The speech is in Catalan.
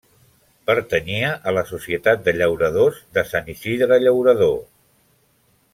Pertanyia a la societat de llauradors de Sant Isidre Llaurador.